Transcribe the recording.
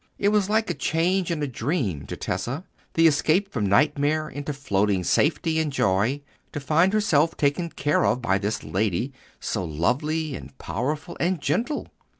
It was like a change in a dream to Tessa—the escape from nightmare into floating safety and joy—to find herself taken care of by this lady, so lovely, and powerful, and gentle.